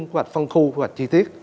quy hoạch phân khu quy hoạch chi tiết